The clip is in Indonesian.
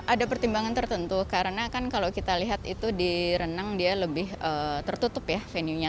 ada pertimbangan tertentu karena kan kalau kita lihat itu di renang dia lebih tertutup ya venue nya